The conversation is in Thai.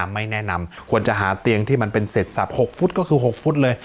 ไม่แนะนำควรจะหาเตียงที่มันเป็นเสร็จสับ๖ฟุตก็คือ๖ฟุตเลย